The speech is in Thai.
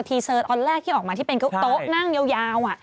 เซอร์ตอนแรกที่ออกมาที่เป็นโต๊ะนั่งยาว